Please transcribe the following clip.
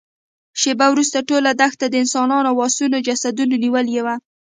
شېبه وروسته ټوله دښته د انسانانو او آسونو جسدونو نيولې وه.